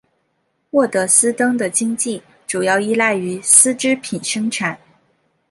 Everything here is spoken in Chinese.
沃德斯登的经济主要依赖于丝织品生产。